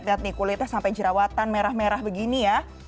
lihat nih kulitnya sampai jerawatan merah merah begini ya